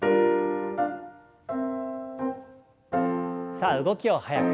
さあ動きを速く。